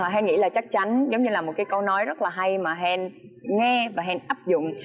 hèn nghĩ là chắc chắn giống như là một cái câu nói rất là hay mà hèn nghe và hèn áp dụng